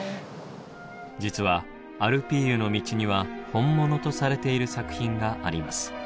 実は「アルピーユの道」には本物とされている作品があります。